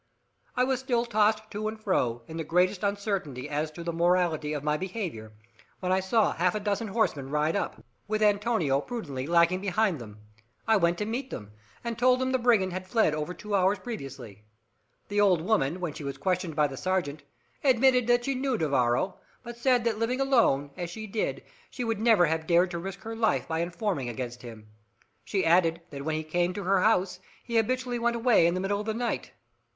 I was still tossed to and fro, in the greatest uncertainty as to the morality of my behaviour, when I saw half a dozen horsemen ride up, with Antonio prudently lagging behind them. I went to meet them, and told them the brigand had fled over two hours previously. The old woman, when she was questioned by the sergeant, admitted that she knew Navarro, but said that living alone, as she did, she would never have dared to risk her life by informing against him. She added that when he came to her house, he habitually went away in the middle of the night.